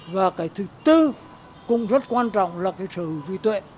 và cái thứ bốn cũng rất quan trọng là cái sở hữu duy tuệ